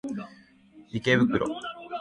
池袋